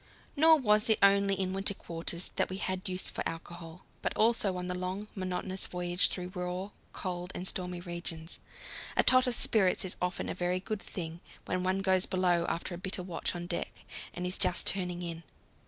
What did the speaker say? Nor was it only in winter quarters that we had use for alcohol, but also on the long, monotonous voyage through raw, cold, and stormy regions. A tot of spirits is often a very good thing when one goes below after a bitter watch on deck and is just turning in.